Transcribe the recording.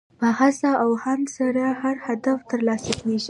په هڅه او هاند سره هر هدف ترلاسه کېږي.